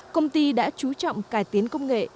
công ty đã chú trọng cải tiến công nghệ